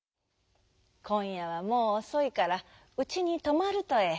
「こんやはもうおそいからうちにとまるとええ。